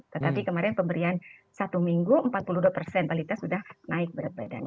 tetapi kemarin pemberian satu minggu empat puluh dua persen kualitas sudah naik berat badannya